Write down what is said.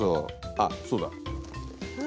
あっそうだ。え？